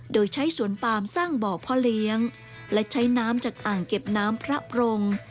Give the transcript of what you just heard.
โดยใช้สวนปามสร้างบ่อพ่อเลี้ยงและใช้น้ำจากอ่างเก็บน้ำพระปรง